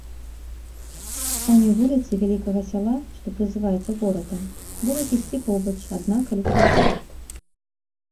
Самі вуліцы вялікага сяла, што празываецца горадам, будуць ісці побач, адна каля другой.